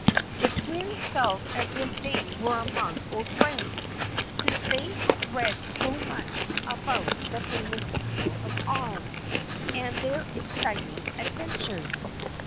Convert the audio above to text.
The twins felt as if they were among old friends, since they had read so much about the famous people of Oz and their exciting adventures.